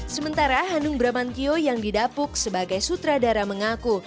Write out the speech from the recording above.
sementara hanung bramantio yang didapuk sebagai sutradara mengaku